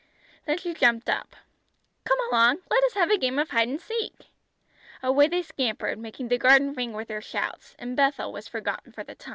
Then she jumped up. "Come along, let us have a game of hide and seek." Away they scampered, making the garden ring with their shouts, and "Bethel" was forgotten for the time.